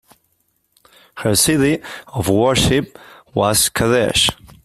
Her city of worship was Qadesh.